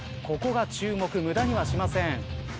ここが注目無駄にはしません。